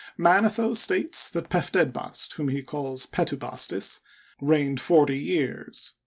Manetho states that Pefdedbast, whom he calls Petubastis, reigned forty years.